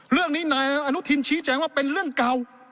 เรื่องนี้นายอนุทินชี้แจงว่าเป็นเรื่องเก่า